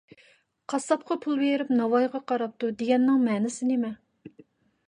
«قاسساپقا پۇل بېرىپ ناۋايغا قاراپتۇ» دېگەننىڭ مەنىسى نېمە؟